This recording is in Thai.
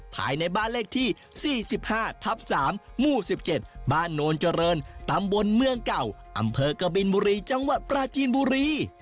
ภายในบ้านเลขที่๔๕ทับ๓หมู่๑๗บ้านโนนเจริญตำบลเมืองเก่าอำเภอกบินบุรีจังหวัดปราจีนบุรี